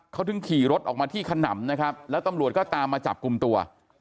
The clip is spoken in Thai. เขาถึงขี่รถออกมาที่ขนำนะครับแล้วตำรวจก็ตามมาจับกลุ่มตัว